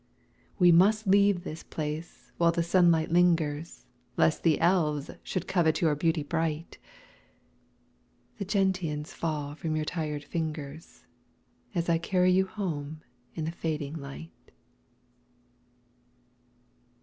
We must leave this place while the sunlight lingers Lest the elves should covet your beauty bright. The gentians fall from your tired fingers As I carry you home in the fading light.